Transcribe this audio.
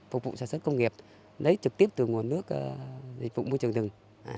thu phụ sản xuất công nghiệp lấy trực tiếp từ nguồn nước dịch vụ môi trường rừng